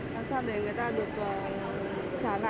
làm sao để người ta được trả lại